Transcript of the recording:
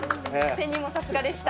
仙人もさすがでした。